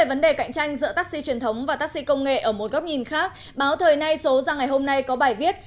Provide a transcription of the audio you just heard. anh giữa taxi truyền thống và taxi công nghệ ở một góc nhìn khác báo thời nay số ra ngày hôm nay có bài viết